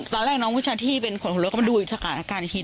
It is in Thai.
ตอนแรกน้องผู้ชายที่เป็นคนของรถก็มาดูสการอาการอีกที